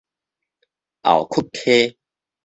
後堀溪